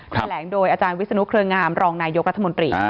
แถลงโดยอาจารย์วิศนุเครืองามรองนายกรัฐมนตรี